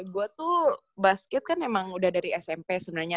gue tuh basket kan emang udah dari smp sebenarnya